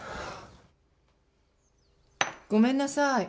ごめんなさい。